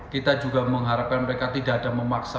kita juga mengharapkan mereka tidak ada memaksa